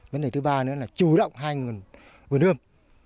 vấn đề thứ ba nữa là chủ động hai vườn hươm